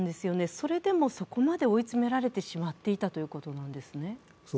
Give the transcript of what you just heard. それでもそこまで追い詰められてしまっていたということなんですね。